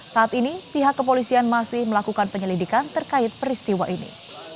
saat ini pihak kepolisian masih melakukan penyelidikan terkait peristiwa ini